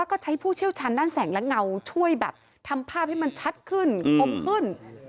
แล้วก็ใช้ผู้เชี่ยวชาญด้านแสงและเงาช่วยแบบทำภาพให้มันชัดขึ้นคมขึ้น